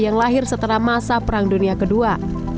yang lahir setelah masa perang dunia ii